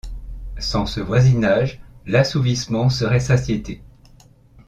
Sans ce voisinage, l’assouvissement serait satiété.